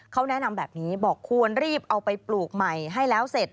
เขาแนะนำแบบนี้บอกควรรีบเอาไปปลูกใหม่ให้แล้วเสร็จ